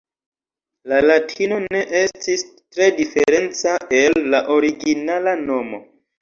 La Latino ne estis tre diferenca el la originala nomo.